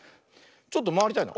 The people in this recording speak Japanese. ちょっとまわりたいな。